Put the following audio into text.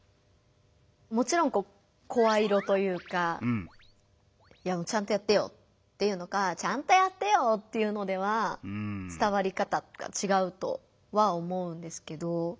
もちろん声色というか「いやちゃんとやってよ」って言うのか「ちゃんとやってよ」って言うのでは伝わり方とかちがうとは思うんですけど。